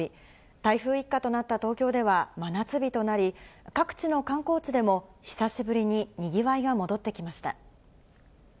台風一過となった東京では真夏日となり、各地の観光地でも、久しぶりににぎわいが戻ってきました。